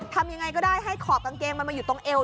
ทำยังไงก็ได้ให้ขอบกางเกงมันมาอยู่ตรงเอว